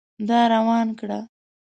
دا وران کړه